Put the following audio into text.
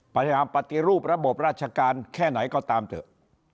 พยายามปฏิรูประบบราชการแค่ไหนก็ตามเถอะ